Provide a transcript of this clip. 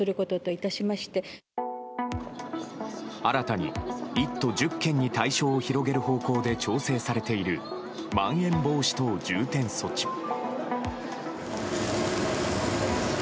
新たに１都１０県に対象を広げる方向で調整されているまん延防止等重点措置。